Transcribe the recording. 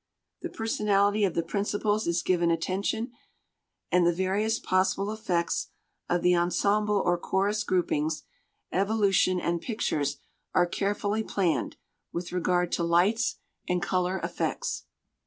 The personality of the principals is given attention, and the various possible effects of the ensemble or chorus groupings, evolution and pictures are carefully planned, with regard to lights and color effects.